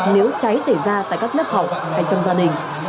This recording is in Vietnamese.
nếu cháy xảy ra tại các lớp học hay trong gia đình